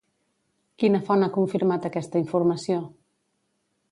Quina font ha confirmat aquesta informació?